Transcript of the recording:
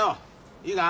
いいか？